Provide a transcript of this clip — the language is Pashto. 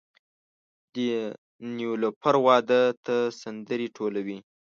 د نیلوفر واده ته سندرې ټولوي